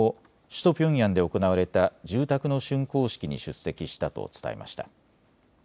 首都ピョンヤンで行われた住宅のしゅんこう式に出席したと伝えました。